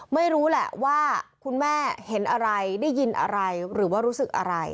ไม่รู้แหละว่าคุณแม่เห็นอะไรได้ยินอะไรหรือว่ารู้สึกอะไร